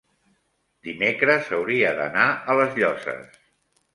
dimecres hauria d'anar a les Llosses.